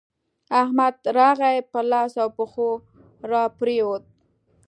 احمد راغی؛ پر لاس او پښو راپرېوت.